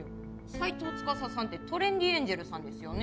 斎藤司さんってトレンディエンジェルさんですよね？